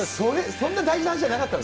そんな大事な話じゃなかったんだ。